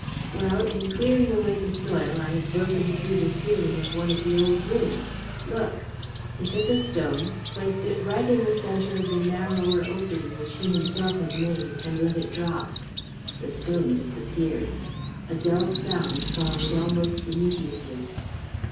"Well, in clearing away the soil, I have broken through the ceiling of one of the old rooms. Look." He took a stone, placed it right in the center of the narrower opening which he himself had made and let it drop. The stone disappeared. A dull sound followed almost immediately.